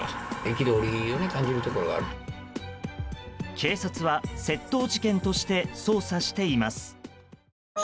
警察は窃盗事件として捜査しています。